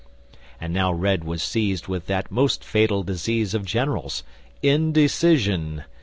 "And now Red was seized with that most fatal disease of generals, indecision.